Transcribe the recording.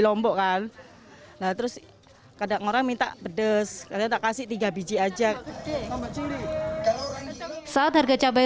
lombok kan nah terus kadang orang minta pedes kadang tak kasih tiga biji aja saat harga cabai